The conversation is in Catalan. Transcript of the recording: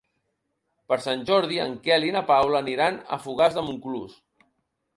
Per Sant Jordi en Quel i na Paula aniran a Fogars de Montclús.